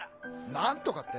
何とかって？